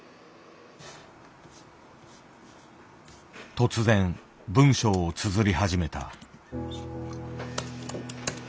突然文章をつづり始めた。